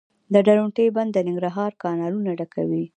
د درونټې بند د ننګرهار کانالونه ډکوي